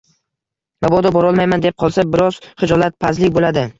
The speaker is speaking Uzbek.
Mabodo, borolmayman, deb qolsa, biroz xijolatpazlik bo`ladi